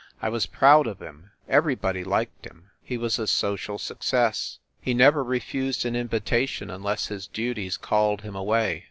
I was proud of him. Everybody liked him. He was a social success. He never refused an invitation unless his duties called him away.